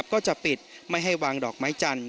ก็จะปิดไม่ให้วางดอกไม้จันท